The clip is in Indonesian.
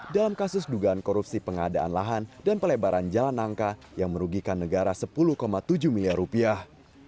dalam kasus dugaan korupsi pengadaan lahan dan pelebaran jalan nangka yang merugikan negara sepuluh tujuh miliar rupiah